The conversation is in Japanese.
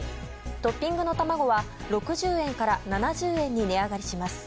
トッピングのたまごは６０円から７０円に値上がります。